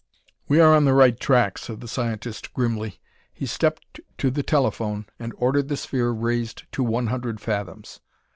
"We are on the right track," said the scientist grimly. He stepped to the telephone and ordered the sphere raised to one hundred fathoms.